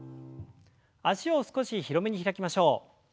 脚を少し広めに開きましょう。